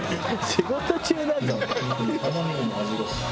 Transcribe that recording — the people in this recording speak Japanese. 仕事中だぞ」